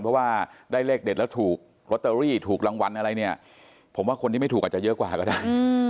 เพราะว่าได้เลขเด็ดแล้วถูกลอตเตอรี่ถูกรางวัลอะไรเนี่ยผมว่าคนที่ไม่ถูกอาจจะเยอะกว่าก็ได้